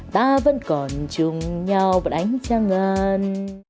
ta vẫn còn chung nhau và đánh trăng ngàn